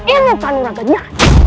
ini kan rakyatnya